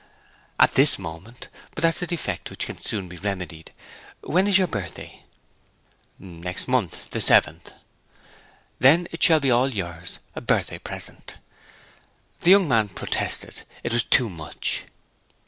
'At this moment. But that's a defect which can soon be remedied. When is your birthday?' 'Next month, the seventh.' 'Then it shall all be yours, a birthday present.' The young man protested; it was too much.